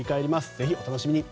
ぜひお楽しみに。